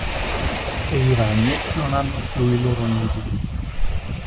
E i ragni non hanno più i loro nidi.